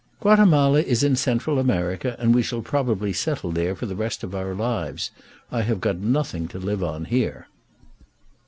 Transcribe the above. "Guatemala is in Central America, and we shall probably settle there for the rest of our lives. I have got nothing to live on here."